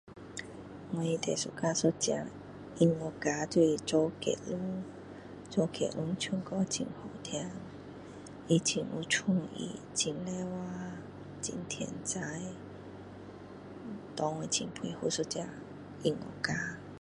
我最喜欢一个音乐家就是周杰伦周杰伦唱歌很好听他很有创意很努力很天才给我很佩服一个音乐家